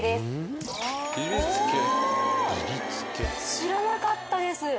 知らなかったです。